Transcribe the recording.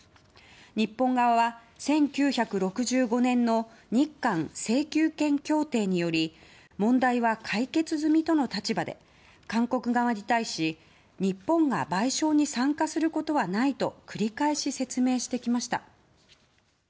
日本側は１９６５年の日韓請求権協定により問題は解決済みとの立場で韓国側に対し日本が賠償に参加することはないと繰り返し説明してきました。